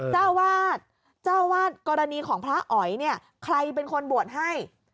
เจ้าวาดเจ้าวาดกรณีของพระอ๋อยเนี่ยใครเป็นคนบวชให้